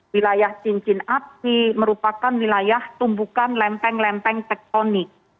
wilayah cincin api merupakan wilayah tumbukan lempeng lempeng tektonik